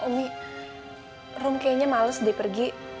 omi rom kayanya males dipergi